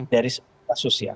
dari kasus ya